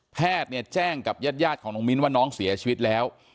แพทย์เนี่ยแจ้งกับญาติของน้องมิ้นว่าน้องเสียชีวิตแล้ว